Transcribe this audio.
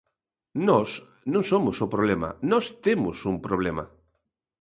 Nós non somos o problema, nós temos un problema.